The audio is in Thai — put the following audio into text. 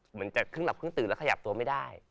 เหมือนจะครึ่งหลับครึ่งตื่นแล้วขยับตัวไม่ได้